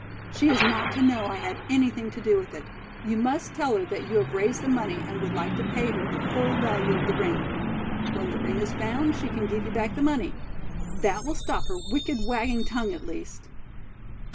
She is not to know I had anything to do with it. You must tell her that you have raised the money and would like to pay her the full value of the ring. When the ring is found, she can give you back the money. That will stop her wicked, wagging tongue, at least."